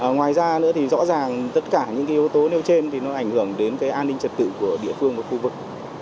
ngoài ra nữa thì rõ ràng tất cả những cái yếu tố nêu trên thì nó ảnh hưởng đến cái an ninh trật tự của địa phương và khu vực